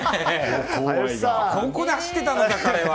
ここで走ってたのか、彼は。